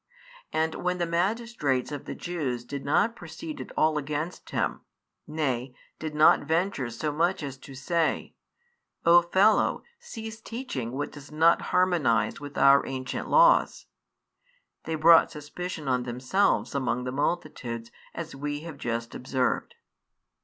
And when the magistrates of the Jews did not proceed at all against Him, nay, did not venture so much as to say: "O fellow, cease teaching what does not harmonize with our ancient laws," they brought suspicion on themselves among the multitudes as we have just observed.